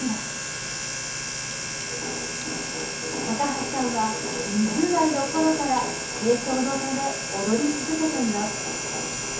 橋さんは２０代のころから継承のため踊り続けています。